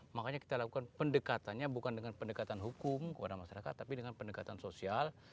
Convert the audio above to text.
makanya kita lakukan pendekatannya bukan dengan pendekatan hukum kepada masyarakat tapi dengan pendekatan sosial